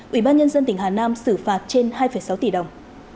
ủy ban nhân dân tỉnh hà nam xử phạt trên hai sáu tỷ đồng